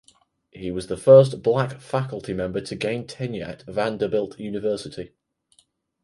He was the first Black faculty member to gain tenure at Vanderbilt University.